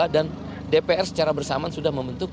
dan dpr secara bersamaan sudah membentuk